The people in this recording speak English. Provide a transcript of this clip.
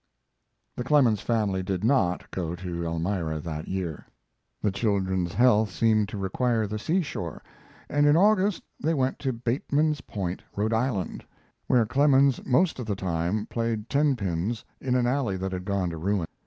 The Clemens family did not, go to Elmira that year. The children's health seemed to require the sea shore, and in August they went to Bateman's Point, Rhode Island, where Clemens most of the time played tenpins in an alley that had gone to ruin.